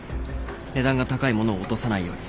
値段が高い物を落とさないように。